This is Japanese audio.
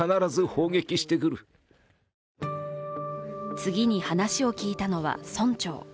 次に話を聞いたのは村長。